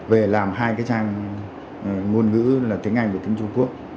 về làm hai cái trang ngôn ngữ là tiếng anh của tiếng trung quốc